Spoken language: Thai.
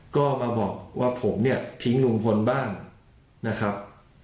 ก็มาบอกว่าผมเนี่ยทิ้งลุงพลบ้างนะครับ